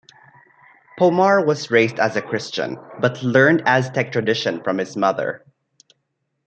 Pomar was raised as a Christian but learned Aztec tradition from his mother.